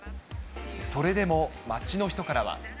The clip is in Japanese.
それでも街の人からは。